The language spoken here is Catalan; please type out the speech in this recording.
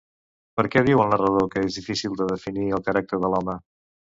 Per què diu el narrador que és difícil de definir el caràcter de l'home?